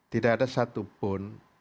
tidak ada satupun